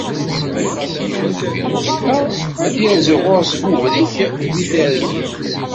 Ma yeṭṭes yiwen deffir uzeṭṭa, ad d-yerzu ɣur-s Bubarrik deg targit